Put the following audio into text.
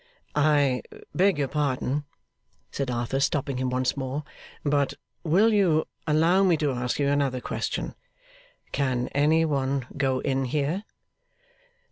'I beg your pardon,' said Arthur, stopping him once more, 'but will you allow me to ask you another question? Can any one go in here?